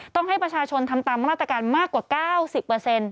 ต้องให้ประชาชนทำตามรัฐกาลมากกว่า๙๐เปอร์เซ็นต์